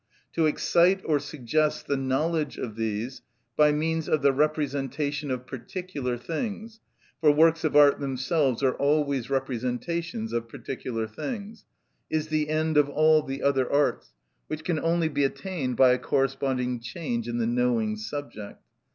To excite or suggest the knowledge of these by means of the representation of particular things (for works of art themselves are always representations of particular things) is the end of all the other arts, which can only be attained by a corresponding change in the knowing subject.